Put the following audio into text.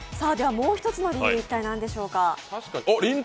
もう一つの理由は一体何でしょうか。